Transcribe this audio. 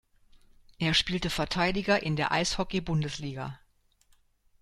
Er spielte Verteidiger in der Eishockey-Bundesliga.